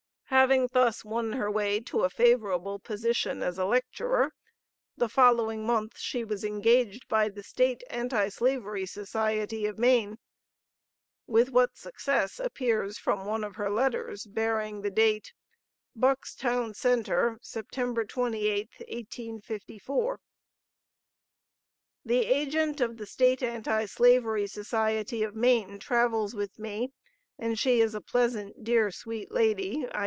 Having thus won her way to a favorable position as a lecturer, the following month she was engaged by the State Anti Slavery Society of Maine, with what success appears from one of her letters bearing date Buckstown Centre, Sept. 28, 1854: "The agent of the State Anti Slavery Society of Maine travels with me, and she is a pleasant, dear, sweet lady.